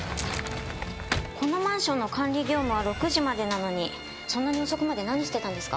このマンションの管理業務は６時までなのにそんなに遅くまで何してたんですか？